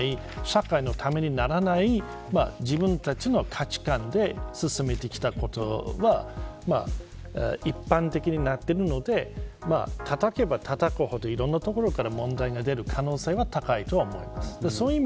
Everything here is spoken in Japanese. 社会のためにもならない自分たちの価値観で進めてきたことが一般的になっているのでたたけばたたくほど、いろいろな問題が出てくる可能性は高いと思います。